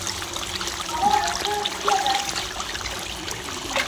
广东人吃福建人！